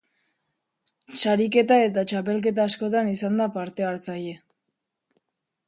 Sariketa eta txapelketa askotan izan da parte hartzaile.